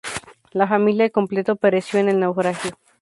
La familia al completo pereció en el naufragio.